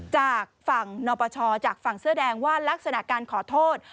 จากฝั่งนปชจากฝั่งเสื้อแดงว่าลักษณะการขอโทษ